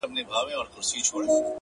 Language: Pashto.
خو اوس د اوښكو سپين ځنځير پر مخ گنډلی’